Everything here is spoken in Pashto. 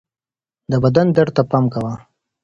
د بدن درد ته پام کوه